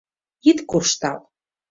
ит куржтал.